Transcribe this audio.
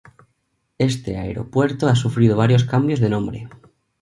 Este aeropuerto ha sufrido varios cambios de nombre.